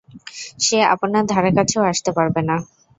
সে আপনার ধারে কাছেও আসতে পারবে না।